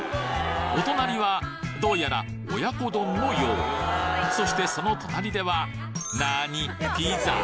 お隣はどうやら親子丼のようそしてその隣ではなに？